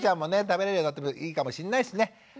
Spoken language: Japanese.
食べれるようになってもいいかもしんないしね。